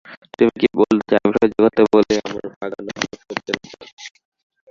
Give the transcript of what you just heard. তুমি কি বলতে চাও আমি শয্যাগত বলেই আমার বাগানও হবে শয্যাগত।